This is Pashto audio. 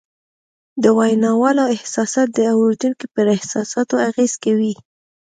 د ویناوال احساسات د اورېدونکي پر احساساتو اغېز کوي